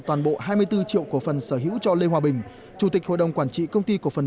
toàn bộ hai mươi bốn triệu cổ phần sở hữu cho lê hòa bình chủ tịch hội đồng quản trị công ty cổ phần